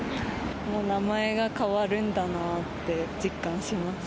もう名前が変わるんだなって実感します。